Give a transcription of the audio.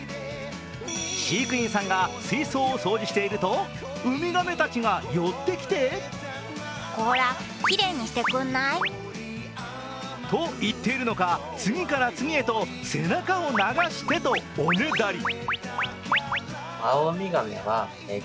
飼育員さんが水槽を掃除しているとウミガメたちが寄ってきてと言っているのか、次から次へと背中を流して！とおねだり。